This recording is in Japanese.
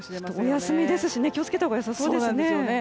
お休みですし気を付けたほうが良さそうですね。